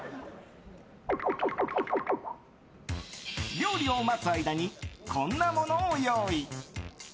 料理を待つ間にこんなものを用意。